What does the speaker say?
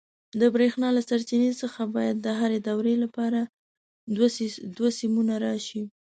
د برېښنا له سرچینې څخه باید د هرې دورې لپاره دوه سیمونه راشي.